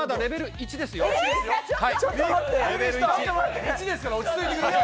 １ですから落ち着いてください。